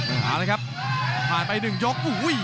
เอาละครับผ่านไป๑ยก